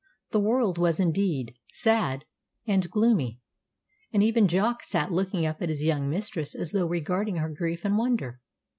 The world was, indeed, sad and gloomy, and even Jock sat looking up at his young mistress as though regarding her grief in wonder.